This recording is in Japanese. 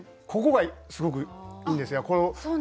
ここがすごくいいんですよ。